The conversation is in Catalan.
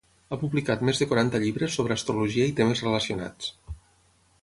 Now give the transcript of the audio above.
Ha publicat més de quaranta llibres sobre astrologia i temes relacionats.